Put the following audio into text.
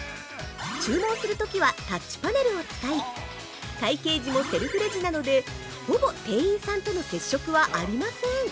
注文するときはタッチパネルを使い、会計時もセルフレジなのでほぼ店員さんとの接触はありません。